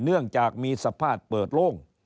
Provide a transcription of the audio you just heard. เนื่องจากมีสภาพเปิดโล่ง